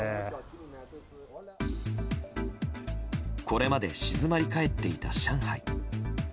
これまで静まり返っていた上海。